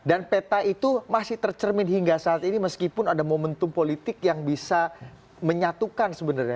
dan peta itu masih tercermin hingga saat ini meskipun ada momentum politik yang bisa menyatukan sebenarnya